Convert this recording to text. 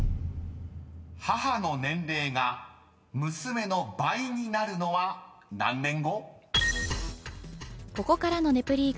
［母の年齢が娘の倍になるのは何年後？］